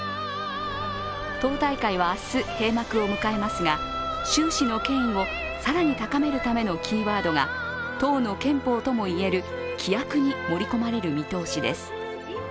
党大会は明日、閉幕を迎えますが習氏の権威を更に高めるためのキーワードが党の憲法とも言える規約に盛り込まれる見通しです。